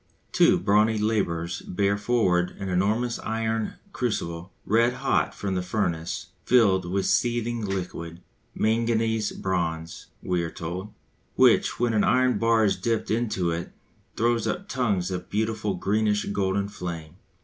Two brawny labourers bear forward an enormous iron crucible, red hot from the furnace, filled with seething liquid manganese bronze, we are told which, when an iron bar is dipped into it, throws up tongues of beautiful greenish golden flame.